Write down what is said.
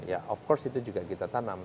ya of course itu juga kita tanam